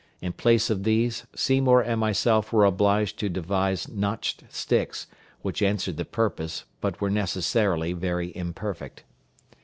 In place of these, Seymour and myself were obliged to devise notched sticks, which answered the purpose, but were necessarily very imperfect.